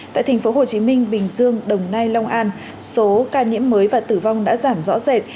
tại thành phố hồ chí minh bình dương đồng nai long an số ca nhiễm mới và tử vong đã giảm rõ rệt